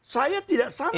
saya tidak sama dengan anda